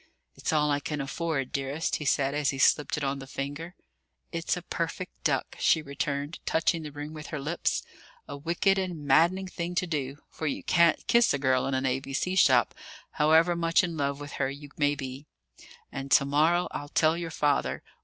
"It's all I can afford, dearest," he said, as he slipped it on the finger. "It's a perfect duck," she returned, touching the ring with her lips a wicked and maddening thing to do; for you can't kiss a girl in an A.B.C. shop, however much in love with her you may be. "And to morrow I'll tell your father.